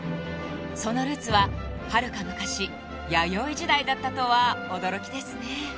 ［そのルーツははるか昔弥生時代だったとは驚きですね］